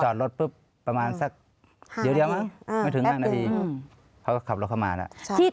รถปุ๊บประมาณสักเดี๋ยวมั้งไม่ถึง๕นาทีเขาก็ขับรถเข้ามาแล้ว